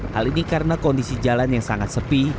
hal ini karena kondisi jalan yang sangat sepi